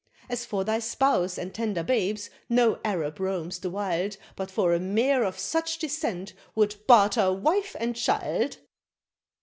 As for thy spouse and tender babes, no Arab roams the wild But for a mare of such descent, would barter wife and child."